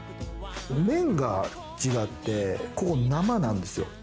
麺が違って、ここ生なんですよ。